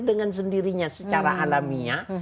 dengan sendirinya secara alamiah